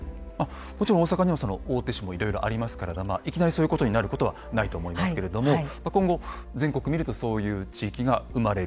もちろん大阪には大手紙もいろいろありますからいきなりそういうことになることはないと思いますけれども今後全国見るとそういう地域が生まれる。